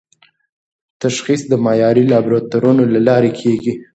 تشخیص د معیاري لابراتوارونو له لارې کېږي.